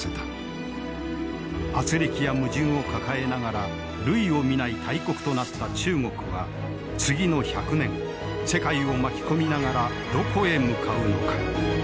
あつれきや矛盾を抱えながら類を見ない大国となった中国は次の１００年世界を巻き込みながらどこへ向かうのか。